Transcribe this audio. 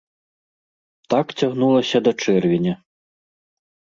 Так цягнулася да чэрвеня.